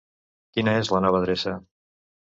Quina és la nova adreça?